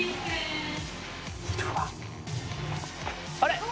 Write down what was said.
あれ？